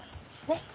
ねっ。